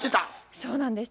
そうなんです。